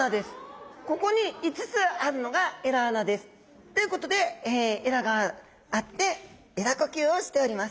ここに５つあるのが鰓穴です。ということで鰓があって鰓呼吸をしております。